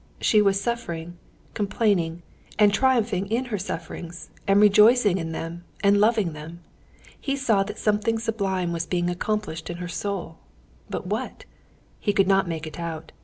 She was suffering, complaining, and triumphing in her sufferings, and rejoicing in them, and loving them. He saw that something sublime was being accomplished in her soul, but what? He could not make it out.